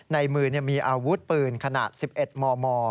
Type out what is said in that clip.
ในมือมีอาวุธปืนขนาด๑๑มม